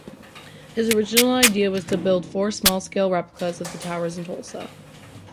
His original idea was to build four small-scale replicas of the towers in Tulsa.